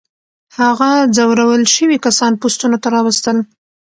هغه ځورول شوي کسان پوستونو ته راوستل.